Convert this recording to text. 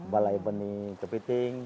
balai benih kepiting